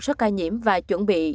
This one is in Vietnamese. số ca nhiễm và chuẩn bị